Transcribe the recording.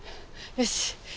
よし。